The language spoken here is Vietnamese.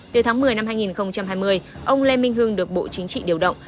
từ tháng một mươi năm hai nghìn hai mươi ông lê minh hưng được bộ chính trị điều động